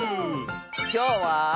きょうは。